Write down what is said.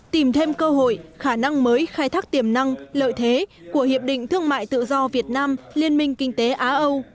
tìm thêm cơ hội khả năng mới khai thác tiềm năng lợi thế của hiệp định thương mại tự do việt nam liên minh kinh tế á âu